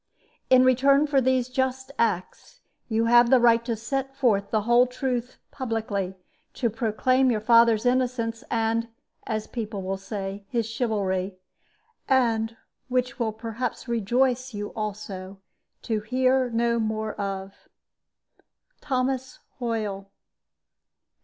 "In return for these just acts, you have the right to set forth the whole truth publicly, to proclaim your father's innocence, and (as people will say) his chivalry; and, which will perhaps rejoice you also, to hear no more of "THOMAS HOYLE.